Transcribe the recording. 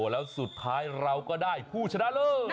แล้วสุดท้ายเราก็ได้ผู้ชนะเลิศ